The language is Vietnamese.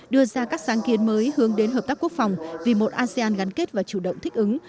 đưa ra các sáng kiến mới hướng đến hợp tác quốc phòng vì một asean gắn kết và chủ động thích ứng